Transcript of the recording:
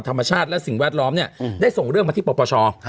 ธรรมชาติและสิ่งแวดล้อมเนี่ยได้ส่งเรื่องมาที่ปปช